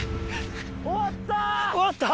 終わった！